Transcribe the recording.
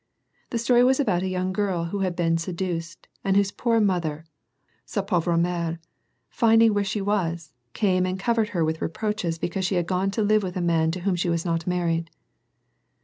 The story was about a young girl who had been seduced, and whose poor mother — sa pattvre mere — finding where she was, came and covered her with reproaches because she had gone to live with a man to whom she was not married.